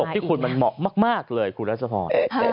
มันตกที่คุณมันเหมาะมากเลยคุณรัฐสะพาน